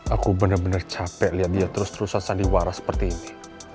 aku bener bener capek liat dia terus terusan sandiwara seperti ini